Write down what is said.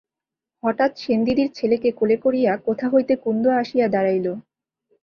হঠাৎ সেনদিদির ছেলেকে কোলে করিয়া কোথা হইতে কুন্দ আসিয়া দাড়াইল।